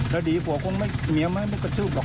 ถ้าดีกว่าก็ไม่เมียม่ายังไงก็กระชู่บอก